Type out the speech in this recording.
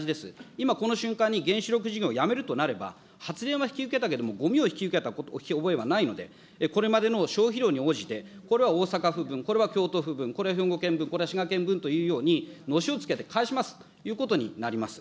今この瞬間に原子力事業をやめるとなれば、発電は引き受けたけれども、ごみを引き受けた覚えはないので、これまでの消費量に応じて、これは大阪府分、これは京都府分、これは兵庫県分、これは滋賀県分というふうにのしをつけて返しますということになります。